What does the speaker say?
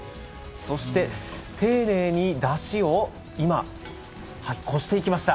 そして丁寧にダシを今こしていきました